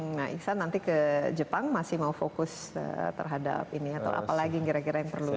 nah iksan nanti ke jepang masih mau fokus terhadap ini atau apalagi kira kira yang perlu